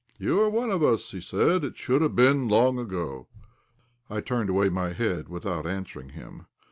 "You are one of us," said he; "it should have been long ago." I turned away my head without answering him.